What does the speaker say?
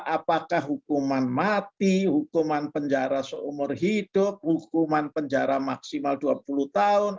apakah hukuman mati hukuman penjara seumur hidup hukuman penjara maksimal dua puluh tahun